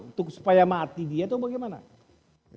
untuk supaya mati dia atau bagaimana